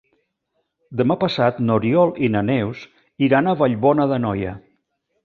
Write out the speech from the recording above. Demà passat n'Oriol i na Neus iran a Vallbona d'Anoia.